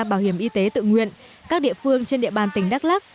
bảo hiểm y tế tự nguyện các địa phương trên địa bàn tỉnh đắk lắc